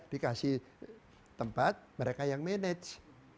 dikasih tempat mereka yang manage